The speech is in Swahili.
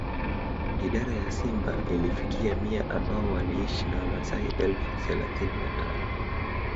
Idadi ya simba ilifikia mia ambao waliishi na wamaasai elfu thelathini na tano